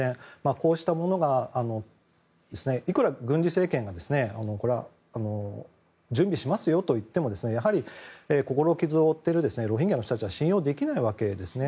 こうしたものがいくら軍事政権が準備しますよといってもやはり心の傷を負っているロヒンギャの人たちは信用できないわけですね。